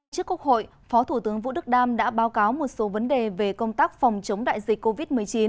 trước quốc hội phó thủ tướng vũ đức đam đã báo cáo một số vấn đề về công tác phòng chống đại dịch covid một mươi chín